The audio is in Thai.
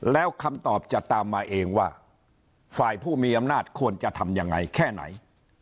แล้วคำตอบจะตามมาเองว่าฝ่ายผู้มีอำนาจควรจะทำยังไงแค่ไหน